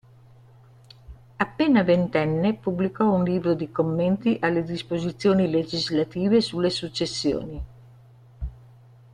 Appena ventenne pubblicò un libro di commenti alle disposizioni legislative sulle successioni.